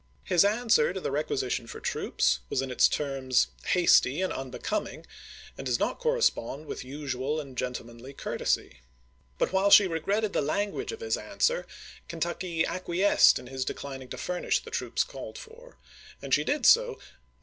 His answer to the requi sition for troops was in its terms hasty and unbecoming and does not correspond with usual and gentlemanly cour tesy. But while she regretted the language of his answer, Kentucky acquiesced in his declining to furnish the troops called for, and she did so, not beca.